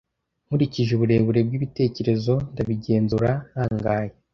nkurikije uburebure bwibitekerezo ndabigenzura ntangaye